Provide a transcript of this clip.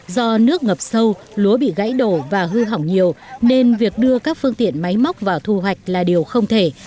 do nước ngập sâu lúa bị gãy đổ và hư hỏng nhiều nên việc đưa các phương tiện máy móc vào thu hoạch là điều không thể